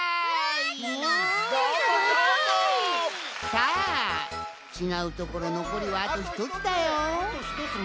さあちがうところのこりはあとひとつだよ。